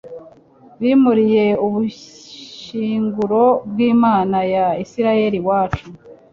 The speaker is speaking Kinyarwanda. bimuriye ubushyinguro bw'imana ya israheli iwacu